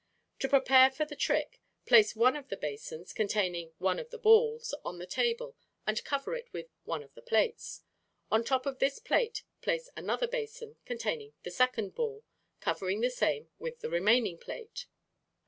To prepare for the trick, place one of the basins, containing one of the balls, on the table, and cover it with one of the plates. On the top of this plate place the other basin, containing the second ball, covering the same with the remaining plate.